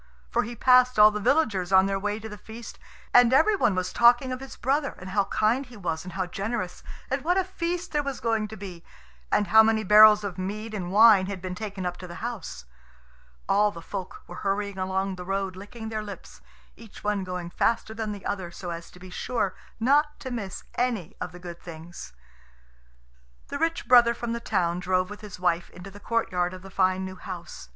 For he passed all the villagers on their way to the feast; and every one was talking of his brother, and how kind he was and how generous, and what a feast there was going to be, and how many barrels of mead and, wine had been taken up to the house. All the folk were hurrying along the road licking their lips, each one going faster than the other so as to be sure not to miss any of the good things. The rich brother from the town drove with his wife into the courtyard of the fine new house.